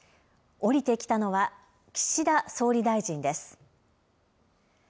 下りてきたのは、岸田総理大臣です。